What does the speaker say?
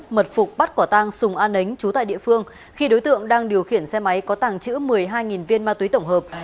mật phục bắt quả tang sùng an ấnh trú tại địa phương khi đối tượng đang điều khiển xe máy có tàng trữ một mươi hai viên ma túy tổng hợp